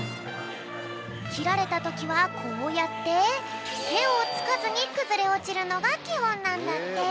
きられたときはこうやっててをつかずにくずれおちるのがきほんなんだって。